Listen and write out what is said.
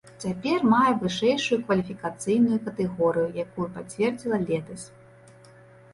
Цяпер мае вышэйшую кваліфікацыйную катэгорыю, якую пацвердзіла летась.